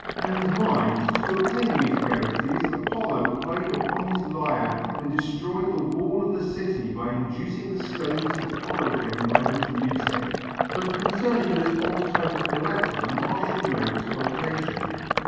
And, mind, to obtain these rarities Apollo played upon his lyre and destroyed the wall of the city by inducing the stones to follow him by his music." But concerning this odd type of collector Martial merits quotation.